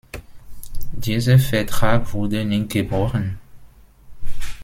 Dieser Vertrag wurde nie gebrochen.